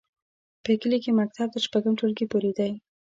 په کلي کې مکتب تر شپږم ټولګي پورې دی.